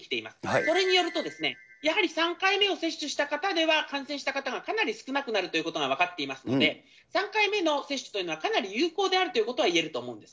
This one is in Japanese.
それによると、やはり３回目を接種した方では、感染した方がかなり少なくなるということが分かっていますので、３回目の接種がかなり有効であるということはいえると思うんです